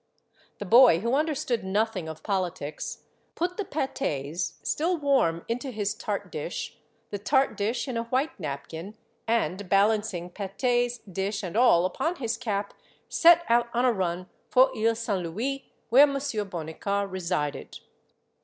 The boy, who understood nothing of politics, put the pates, still warm, into his tart dish, the tart dish in a white napkin, and balancing pates, dish, and all upon his cap, set out on a run for lie Saint Louis, where Monsieur Bonnicar resided.